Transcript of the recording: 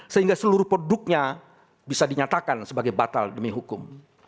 sehingga seluruh produknya bisa dinyatakan sebagai batal demi hukum